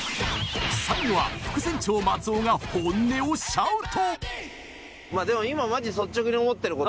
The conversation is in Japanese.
最後は副船長松尾が本音をシャウト。